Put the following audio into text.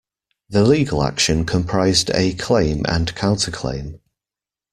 The legal action comprised a claim and counterclaim.